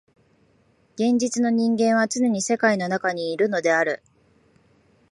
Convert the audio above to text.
現実の人間はつねに世界の中にいるのである。